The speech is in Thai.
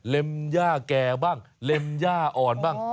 เล่มหญ้าแก่บ้างเล่มหญ้าอ่อนบ้าง